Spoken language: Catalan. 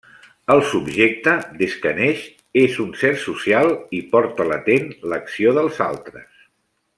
El subjecte des que neix és un ser social i porta latent l'acció dels altres.